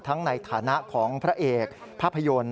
ในฐานะของพระเอกภาพยนตร์